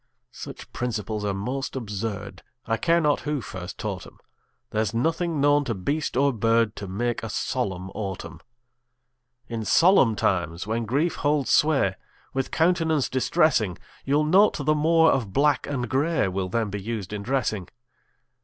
Such principles are most absurd, I care not who first taught 'em; There's nothing known to beast or bird To make a solemn autumn. In solemn times, when grief holds sway With countenance distressing, You'll note the more of black and gray Will then be used in dressing.